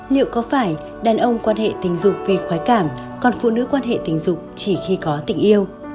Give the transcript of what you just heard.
liệu có phải đàn ông quan hệ tình dục vì khói cảm còn phụ nữ quan hệ tình dục chỉ khi có tình yêu